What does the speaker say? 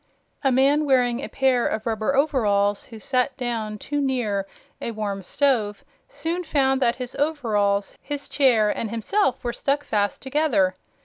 A man wearing a pair of rubber overalls who sat down too near a warm stove soon found that his overalls, his chair and himself were stuck fast together.